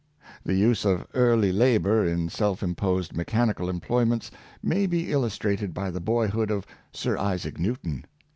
The use of early labor in self imposed mechanical employments may be illustrated by the boyhood of Sir Isaac Newton.